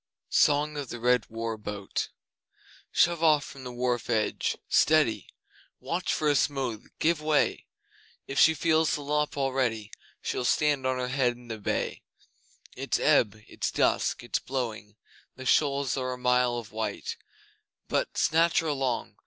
Song of the Red War Boat Shove off from the wharf edge! Steady! Watch for a smooth! Give way! If she feels the lop already She'll stand on her head in the bay. It's ebb it's dusk it's blowing, The shoals are a mile of white, But (snatch her along!)